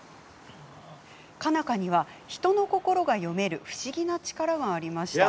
佳奈花には人の心が読める不思議な力がありました。